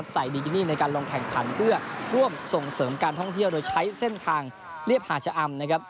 บิกินี่ในการลงแข่งขันเพื่อร่วมส่งเสริมการท่องเที่ยวโดยใช้เส้นทางเรียบหาชะอำนะครับ